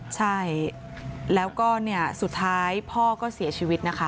ใช่แล้วก็เนี่ยสุดท้ายพ่อก็เสียชีวิตนะคะ